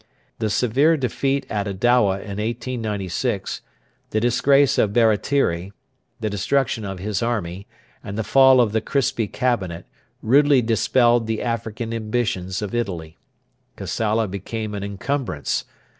The severe defeat at Adowa in 1896, the disgrace of Baratieri, the destruction of his army, and the fall of the Crispi Cabinet rudely dispelled the African ambitions of Italy. Kassala became an encumbrance.